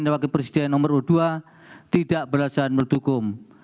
dan wakil presiden nomor dua tidak berlasan berdukung